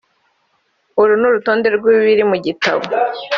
uru n'urutonde rw'ibiri mu gitabo